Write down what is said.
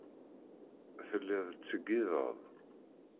Telliḍ tettṣeyyideḍ.